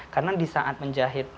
karena disaat menjahit